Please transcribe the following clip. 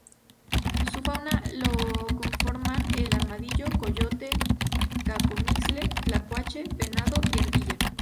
Su fauna la conforman el armadillo, coyote, cacomixtle, tlacuache, venado, y ardilla.